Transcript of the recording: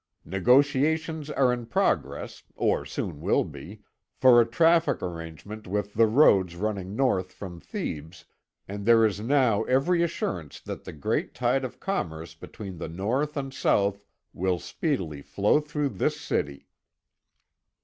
Negotiations are in progress, or soon will be, for a traffic arrangement with the roads running north from Thebes, and there is now every assurance that the great tide of commerce between the North and South will speedily flow through this city."